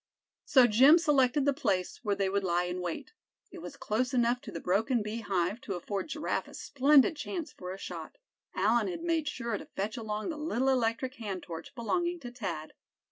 So Jim selected the place where they would lie in wait. It was close enough to the broken bee hive to afford Giraffe a splendid chance for a shot. Allan had made sure to fetch along the little electric hand torch belonging to Thad.